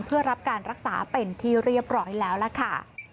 เพื่อรับการรักษาเป็นที่เรียบร้อยแล้วล่ะค่ะ